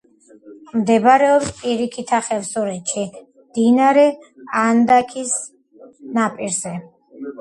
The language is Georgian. მდებარეობს პირიქითა ხევსურეთში, მდინარე ანდაქის ნაპირზე.